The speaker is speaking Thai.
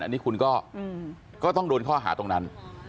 อันนี้คุณก็ต้องโดนข้อหาตรงนั้น